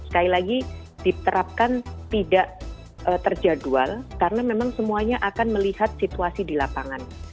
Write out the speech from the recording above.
sekali lagi diterapkan tidak terjadwal karena memang semuanya akan melihat situasi di lapangan